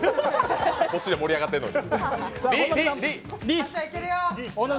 こっちで盛り上がっているのに。